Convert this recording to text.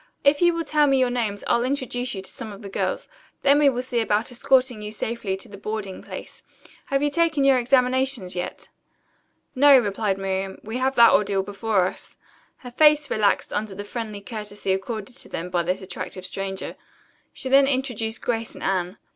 If you will tell me your names I'll introduce you to some of the girls. Then we will see about escorting you safely to your boarding place. Have you taken your examinations yet?" "No," replied Miriam. "We have that ordeal before us." Her face relaxed under the friendly courtesy accorded to them by this attractive stranger. She then introduced Grace and Anne.